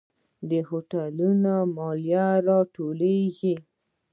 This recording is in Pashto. د هوټلونو مالیه راټولیږي؟